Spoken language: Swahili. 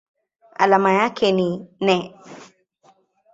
Alama yake ni Ne.